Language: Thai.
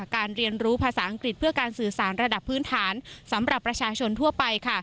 เรียนรู้ภาษาอังกฤษเพื่อการสื่อสารระดับพื้นฐานสำหรับประชาชนทั่วไป